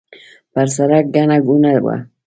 پر سړک ګڼه ګوڼه وه.